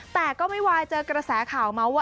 แต่ก็ไม่วายเจอกระแสข่าวเมาส์ว่า